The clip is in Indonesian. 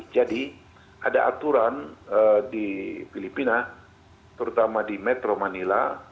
jadi ada aturan di filipina terutama di metro manila